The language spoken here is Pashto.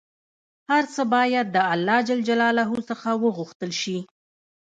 هر څه باید د الله ﷻ څخه وغوښتل شي